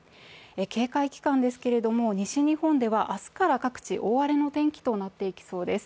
警戒期間ですけれども、西日本では明日から各地、大荒れの天気となっていきそうです。